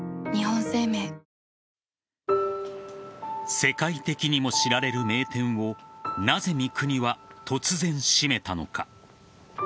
世界的にも知られる名店をなぜ三國は突然閉めたのか。